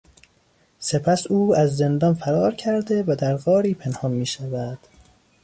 سپس او از زندان فرار کرده و در غاری پنهان میشود.